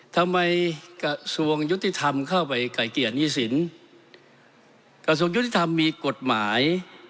ทำไมกระทรวงยุติธรรมเข้าไปไก่เกลียดหนี้สินกระทรวงยุติธรรมมีกฎหมาย